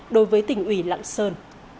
đối với tỉnh ủy lạng sơn